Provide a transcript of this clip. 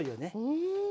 うん。